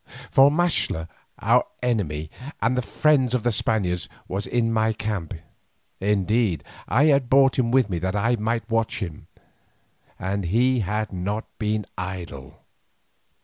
For Maxtla, our enemy and the friend of the Spaniards, was in my camp—indeed, I had brought him with me that I might watch him—and he had not been idle.